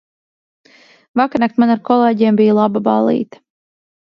Vakarnakt man ar kolēģiem bija laba ballīte.